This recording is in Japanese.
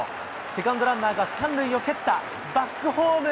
セカンドランナーが３塁を蹴った、バックホーム。